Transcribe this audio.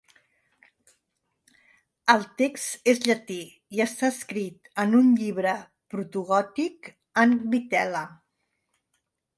El text és llatí i està escrit en un llibre protogòtic en vitel·la.